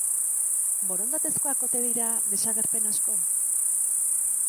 Borondatezkoak ote dira desagerpen asko?